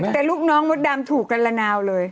แต่ลูกน้องมดดำถูกกันละนาวเลย